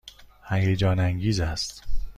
هیجان انگیز است.